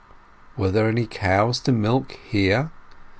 Were there any cows to milk here?